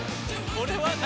これはね。